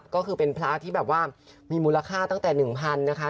ก็คือเป็นพระที่แบบว่ามีมูลค่าตั้งแต่๑๐๐๐นะคะ